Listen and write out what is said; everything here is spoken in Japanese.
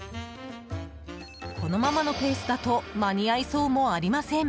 このままのペースだと間に合いそうもありません。